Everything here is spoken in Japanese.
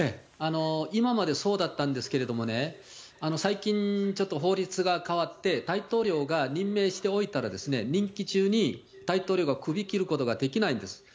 今までそうだったんですけれどもね、最近、ちょっと法律が変わって、大統領が任命しておいたら、任期中に大統領が首切ることができないんです。